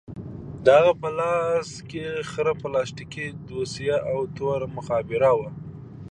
د هغه په لاس کښې خړه پلاستيکي دوسيه او توره مخابره وه.